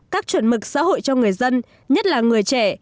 các chuẩn mực xã hội cho người dân nhất là người trẻ